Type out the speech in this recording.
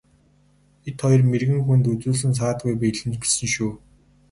Бид хоёр мэргэн хүнд үзүүлсэн саадгүй биелнэ гэсэн шүү.